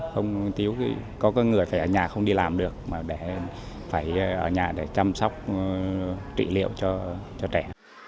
không tiếu có người phải ở nhà không đi làm được mà để phải ở nhà để chăm sóc trị liệu cho trẻ